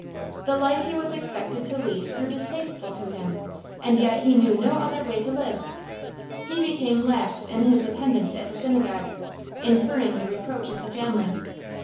The life he was expected to lead grew distasteful to him, and yet he knew no other way to live. He became lax in his attendance at the synagogue, incurring the reproach of the family.